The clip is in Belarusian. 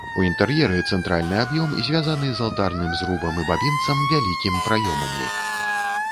У інтэр'еры цэнтральны аб'ём звязаны з алтарным зрубам і бабінцам вялікім праёмамі.